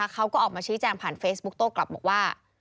เขาก็ออกมาชี้แจงผ่านเฟซบุ๊กโต้กลับบอกว่า